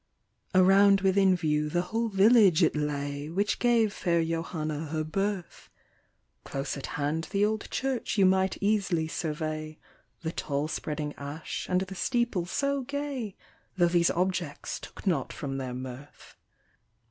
THE WHITE WOMAN. 119 Around within view the whole village it lay, Which gave fair Johanna her birth ; Close at hand the old church you might eas'ly survey The tall spreading ash and the steeple so gay, Tho' these objects took not from their mirth.